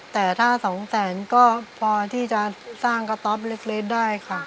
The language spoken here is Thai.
แต่ถ้าสองแสนก็พอที่จะสร้างกระต๊อปเล็กได้ค่ะ